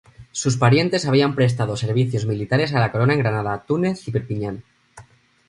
Sus parientes habían prestado servicios militares a la Corona en Granada, Túnez y Perpiñán.